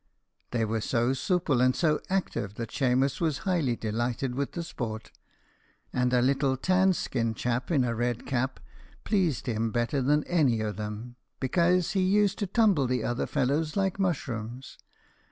They were so soople and so active that Shemus was highly delighted with the sport, and a little tanned skinned chap in a red cap pleased him better than any o' them, bekase he used to tumble the other fellows like mushrooms.